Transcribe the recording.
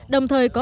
đồng thời có